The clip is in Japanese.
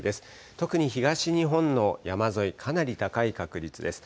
特に東日本の山沿い、かなり高い確率です。